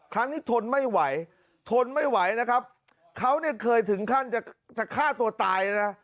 ครั้งนี้ทนไม่ไหวทนไม่ไหวนะครับเขาเนี่ยเคยถึงขั้นจะจะฆ่าตัวตายเลยนะ